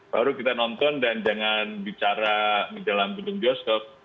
baru kita nonton dan jangan bicara di dalam gedung bioskop